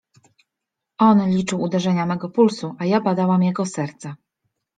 On liczył uderzenia mego pulsu, a ja badałam jego serce…